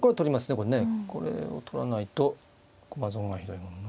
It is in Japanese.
これを取らないと駒損がひどいもんな。